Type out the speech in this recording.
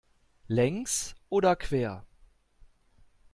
Längs oder quer?